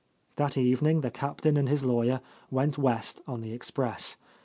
That evening the Captain and his lawyer went west on the express.